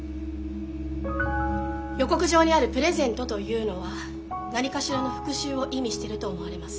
予告状にある「プレゼント」というのは何かしらの復讐を意味してると思われます。